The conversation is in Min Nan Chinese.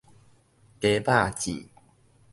雞肉糋